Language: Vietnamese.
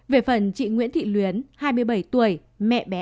về phần chị nguyễn thị luyến hai mươi bảy tuổi mẹ bé